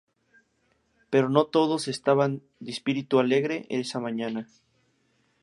Pero no todos estaban de espíritu alegre esa mañana.